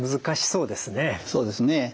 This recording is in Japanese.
そうですね。